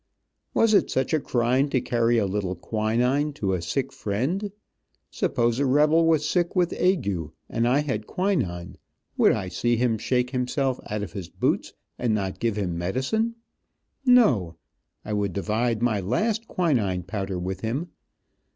Was it such a crime to carry a little quinine to a sick friend? Suppose a rebel was sick with ague, and I had quinine, would I see him shake himself out of his boots and not give him medicine? No, I would divide my last quinine powder with him.